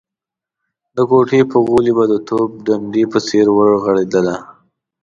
د کوټې په غولي به د توپ ډنډې په څېر ورغړېدله.